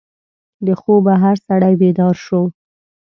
د خوبه هر سړی بیدار شو.